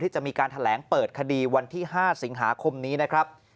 จะมีการแถลงเปิดคดีวันที่๕สิงหาคมนี้นะครับ